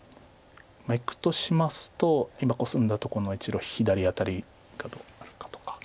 いくとしますと今コスんだとこの１路左辺りがどうなるかとか。